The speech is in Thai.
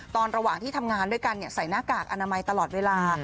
ระหว่างที่ทำงานด้วยกันใส่หน้ากากอนามัยตลอดเวลา